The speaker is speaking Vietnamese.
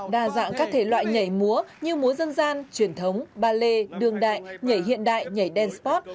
đa dạng các thể loại nhảy múa như múa dân gian truyền thống bà lê đường đại nhảy hiện đại nhảy dance spot